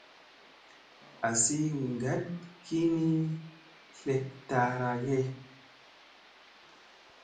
Azi ngat ki ni slek ta ara ge.